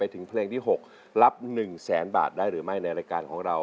ถึงเพลงที่๖รับ๑แสนบาทได้หรือไม่ในรายการของเรา